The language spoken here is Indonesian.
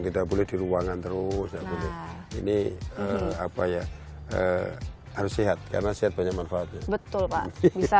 kita boleh di ruangan terus ini apa ya harus sehat karena sehat banyak manfaatnya betul